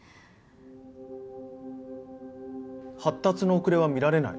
発達の遅れは見られない？